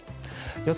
予想